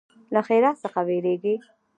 له ښرا څخه ویریږي.